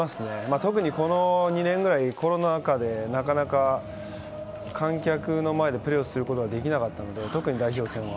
特に、この２年ぐらいコロナ禍でなかなか観客の前でプレーすることができなかったので特に代表戦は。